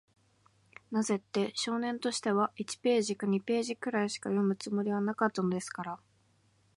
なぜって、少年としては、一ページか二ページぐらいしか読むつもりはなかったのですから。